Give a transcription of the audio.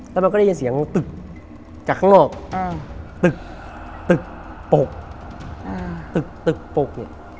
แล้วมันก็ได้ยินเสียงตึกจากข้างนอกตึกตึกปกตึกตึกปกเนี่ย